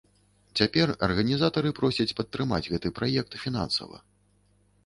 Цяпер арганізатары просяць падтрымаць гэты праект фінансава.